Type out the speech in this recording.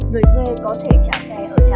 người thuê có thể trả xe ở trạm bất kỳ